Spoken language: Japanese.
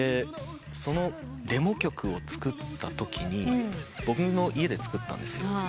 そのデモ曲を作ったときに僕の家で作ったんですよ。